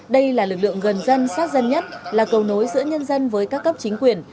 đây là lực lượng gần dân sát dân nhất là cầu nối giữa nhân dân với các cấp chính quyền